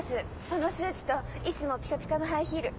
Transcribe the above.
そのスーツといつもピカピカのハイヒール。